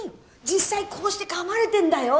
実際こうしてかまれてんだよ！